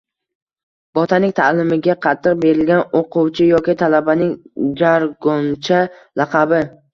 Botanik – ta’limga qattiq berilgan o‘quvchi yoki talabaning jargoncha laqabi.